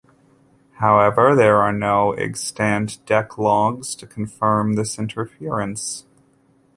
However, there are no extant deck logs to confirm this inference.